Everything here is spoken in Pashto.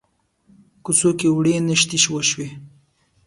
کوڅو کې وړې نښتې وشوې.